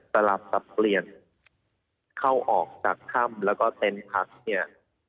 สลับสับเปลี่ยนเข้าออกจากถ้ำแล้วก็เต็นต์พักเนี่ย